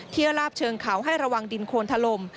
เที่ยวราบเชิงเขาให้ระวังดินโคนทะลม